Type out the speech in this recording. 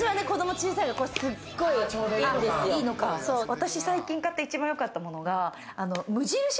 私最近買って一番よかったものが無印